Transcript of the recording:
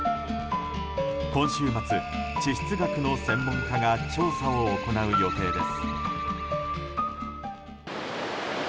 今週末、地質学の専門家が調査を行う予定です。